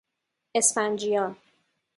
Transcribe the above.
اسفنجیان